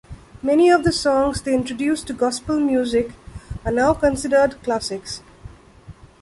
Many of the songs they introduced to gospel music are now considered classics.